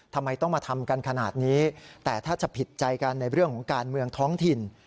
ทำไมต้องมาทำกันขนาดนี้แต่ถ้าจะผิดใจกันในเรื่องของการเมืองท้องถิ่น